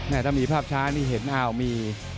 ถ้ามีภาพช้านี่เห็นอ้าวมี